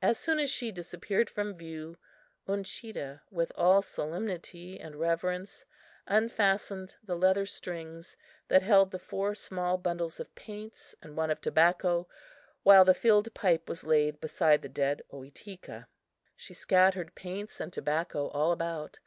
As soon as she disappeared from view, Uncheedah, with all solemnity and reverence, unfastened the leather strings that held the four small bundles of paints and one of tobacco, while the filled pipe was laid beside the dead Ohitika. She scattered paints and tobacco all about.